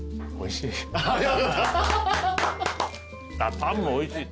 パンもおいしい。